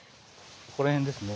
ここら辺ですね。